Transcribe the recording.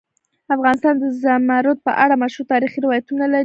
افغانستان د زمرد په اړه مشهور تاریخی روایتونه لري.